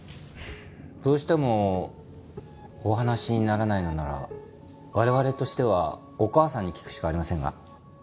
どうしてもお話しにならないのなら我々としてはお母さんに聞くしかありませんが。